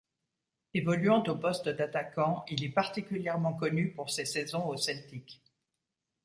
Évoluant au poste d'attaquant, il est particulièrement connu pour ses saisons au Celtic.